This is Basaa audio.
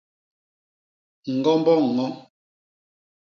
Ñgombo ño.